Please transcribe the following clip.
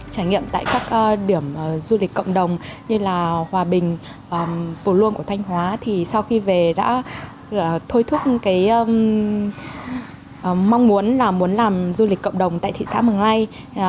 trải nghiệm tại các điểm du lịch cộng đồng như là hòa bình cổ luông của thanh hóa thì sau khi về đã thôi thúc cái mong muốn là muốn làm du lịch cộng đồng tại thị xã mường lây